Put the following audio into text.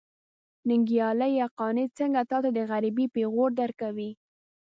ننګياله! قانع څنګه تاته د غريبۍ پېغور درکوي.